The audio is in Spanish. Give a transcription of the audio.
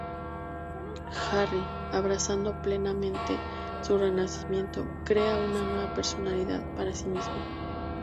Harry, abrazando plenamente su renacimiento, crea una nueva personalidad para sí mismo.